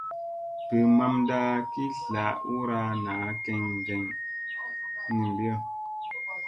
Birk mamda ki tla ura naʼaa keŋ keŋ.